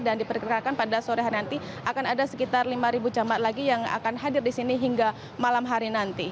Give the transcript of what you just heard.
dan diperkirakan pada sore hari nanti akan ada sekitar lima jemaat lagi yang akan hadir di sini hingga malam hari nanti